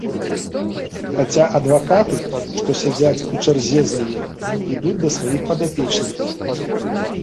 Хаця адвакаты, што сядзяць у чарзе за ёй, ідуць да сваіх падапечных.